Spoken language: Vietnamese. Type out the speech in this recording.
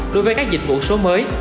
đối với các dịch vụ số mới